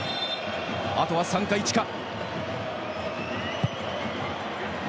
あとは３か１か。